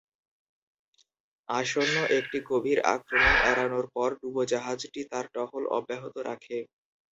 আসন্ন একটি গভীর আক্রমণ এড়ানোর পর, ডুবোজাহাজটি তার টহল অব্যাহত রাখে।